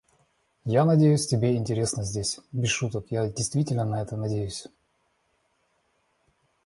Я надеюсь, тебе интересно здесь. Без шуток, я действительно на это надеюсь.